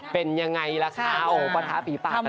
เป็นอย่างไรละคะโอ้ว้าวภาพีปากันไว้